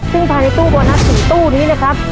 ซึ่งภายในตู้โบนัส๔ตู้นี้นะครับ